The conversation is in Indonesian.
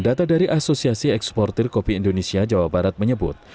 data dari asosiasi eksportir kopi indonesia jawa barat menyebut